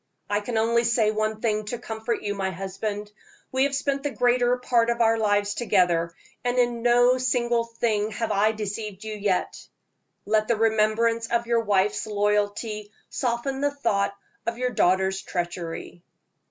"I can only say one thing to comfort you, my husband. We have spent the greater part of our lives together, and in no single thing have I deceived you yet. Let the remembrance of your wife's loyalty soften the thought of your daughter's treachery."